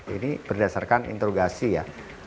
ini berdasarkan interogasi ya